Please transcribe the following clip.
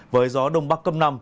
với gió đông bắc cấp năm